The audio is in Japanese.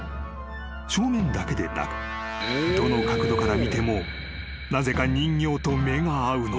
［正面だけでなくどの角度から見てもなぜか人形と目が合うのだ］